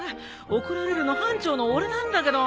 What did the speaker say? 怒られるの班長の俺なんだけど。